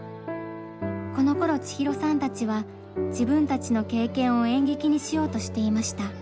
このころ千尋さんたちは自分たちの経験を演劇にしようとしていました。